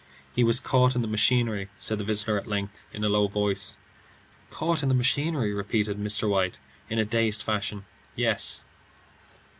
"He was caught in the machinery," said the visitor at length in a low voice. "Caught in the machinery," repeated Mr. White, in a dazed fashion, "yes."